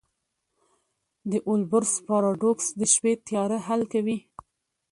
د اولبرس پاراډوکس د شپې تیاره حل کوي.